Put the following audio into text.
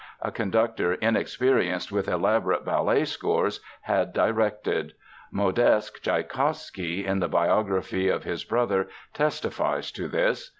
A conductor inexperienced with elaborate ballet scores had directed. Modeste Tschaikowsky, in the biography of his brother, testifies to this.